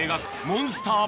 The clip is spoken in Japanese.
モンスター